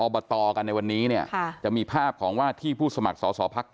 บตกันในวันนี้เนี่ยจะมีภาพของว่าที่ผู้สมัครสอสอพัก